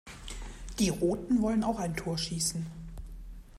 Die Roten wollen auch ein Tor schießen.